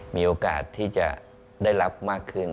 มีโอกาสที่จะได้รับมากขึ้น